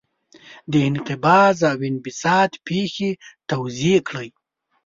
د انقباض او انبساط پېښې توضیح کړئ.